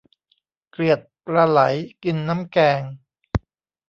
เกลียดปลาไหลกินน้ำแกง